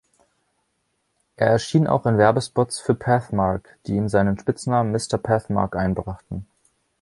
Er erschien auch in Werbespots für Pathmark, die ihm seinen Spitznamen „Mr. Pathmark“ einbrachten.